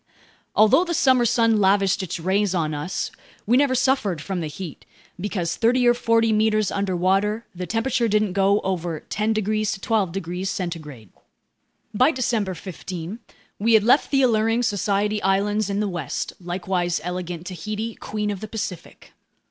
Although the summer sun lavished its rays on us, we never suffered from the heat, because thirty or forty meters underwater, the temperature didn't go over 10 degrees to 12 degrees centigrade. By December 15 we had left the alluring Society Islands in the west, likewise elegant Tahiti, queen of the Pacific.